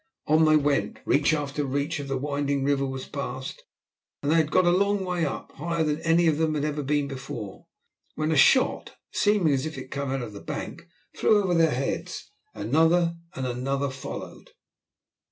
On they went; reach after reach of the winding river was passed, and they had got a long way up, higher than any of them had been before, when a shot, seeming as if it came out of the bank, flew over their heads. Another and another followed.